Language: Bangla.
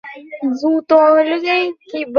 ইংরেজি কাব্যে আমার বিচারবুদ্ধি অনেকটা ঠাণ্ডা থাকে।